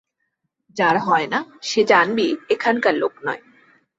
যার হয় না, সে জানবি এখানকার লোক নয়।